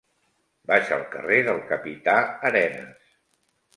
Vaig al carrer del Capità Arenas.